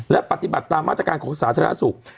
และปฏิบัติตามราชการกระทรวงสาธารณสุข